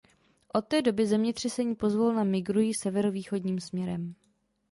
Od té doby zemětřesení pozvolna migrují severovýchodním směrem.